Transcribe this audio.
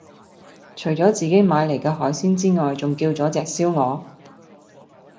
除左自己買黎既海鮮之外仲叫左隻燒鵝